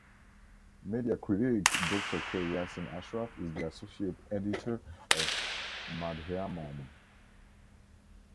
Media critique Doctor K Yasin Ashraf is the associate editor of Madhyamam.